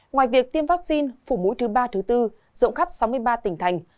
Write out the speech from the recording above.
ngoài việc tiêm vaccine phụ mũi thứ ba thứ bốn rộng khắp sáu mươi ba tỉnh thành